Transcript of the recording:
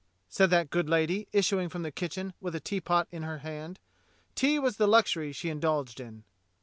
said that good lady, issuing from the kitchen with a teapot in her hand. Tea was the luxury she indulged in.